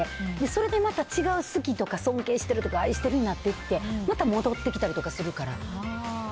それでまた違う好きとか尊敬してるとか愛してるになっていってまた戻ってきたりとかするから。